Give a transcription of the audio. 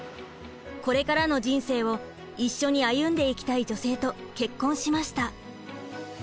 これからの人生を一緒に歩んでいきたい女性と結婚しました。